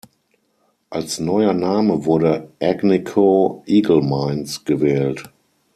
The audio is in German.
Als neuer Name wurde "Agnico-Eagle Mines" gewählt.